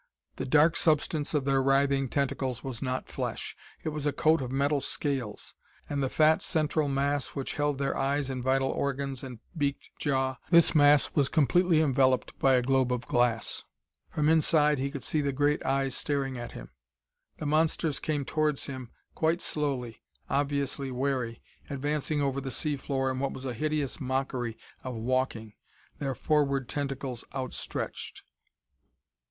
The dark substance of their writhing tentacles was not flesh: it was a coat of metal scales. And the fat central mass which held their eyes and vital organs and beaked jaw this mass was completely enveloped by a globe of glass. From inside, he could see great eyes staring at him. The monsters came towards him quite slowly, obviously wary, advancing over the sea floor in what was a hideous mockery of walking, their forward tentacles outstretched.